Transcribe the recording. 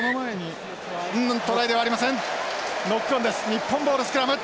日本ボールスクラム。